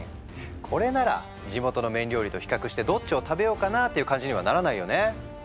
これなら地元の麺料理と比較してどっちを食べようかな？っていう感じにはならないよね。